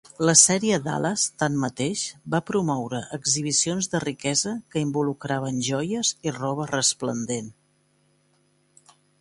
La sèrie Dallas, tanmateix, va promoure exhibicions de riquesa que involucraven joies i roba resplendent.